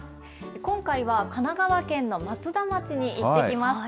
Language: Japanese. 今回は神奈川県の松田町に行ってきました。